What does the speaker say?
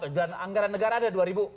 jalan anggaran negara ada dua ribu